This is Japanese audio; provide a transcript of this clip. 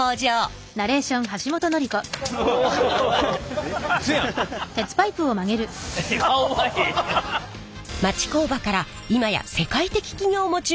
町工場から今や世界的企業も注目する工場に成長。